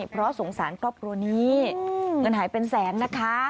เพราะสงสารครอบครัวนี้เงินหายเป็นแสนนะคะ